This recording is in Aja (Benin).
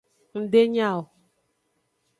Ng de nya o.